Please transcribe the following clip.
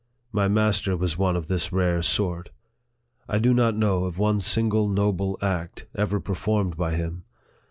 My master was one of this rare sort. I do not know of one single noble act ever performed by him.